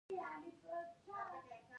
کیفیت باید لوړ شي